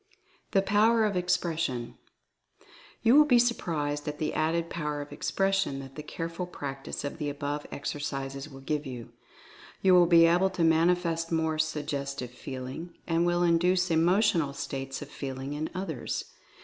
THE POWER OF EXPRESSION. You will be surprised at the added Power of Ex pression that the careful practice of the above exer cises will give you. You will be able to manifest more Suggestive Feeling, and will induce Emotional States of Feeling in others.